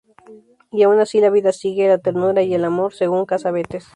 Y aun así, la vida sigue: la ternura y el amor, según Cassavetes.